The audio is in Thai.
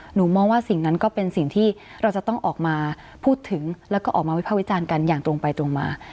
หนูมองว่าสิ่งนั้นก็เป็นสิ่งที่เราจะต้องออกมาพูดถึงแล้วก็ออกมาวิภาควิจารณ์กันอย่างตรงไปตรงมา